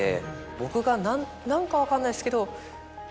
僕が何か分かんないですけど。